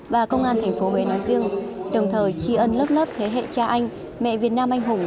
và công an tp huế nói riêng đồng thời tri ân lớp lớp thế hệ cha anh mẹ việt nam anh hùng